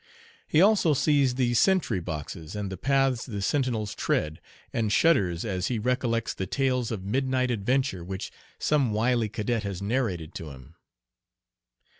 He also sees the sentry boxes and the paths the sentinels tread, and shudders as he recollects the tales of midnight adventure which some wily cadet has narrated to him.